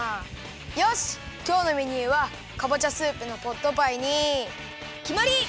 よしきょうのメニューはかぼちゃスープのポットパイにきまり！